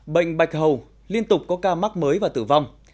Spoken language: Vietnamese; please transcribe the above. bệnh bạch hầu liên tục có ca mắc mới và tử vong